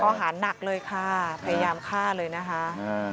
อาหารหนักเลยค่ะพยายามฆ่าเลยนะคะ